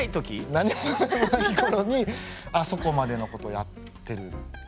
何にもない頃にあそこまでのことをやってるんで。